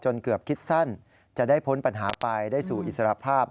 เกือบคิดสั้นจะได้พ้นปัญหาไปได้สู่อิสรภาพ